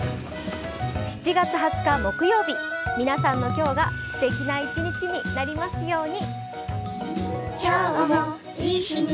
７月２０日木曜日皆さんの今日がすてきな一日になりますように。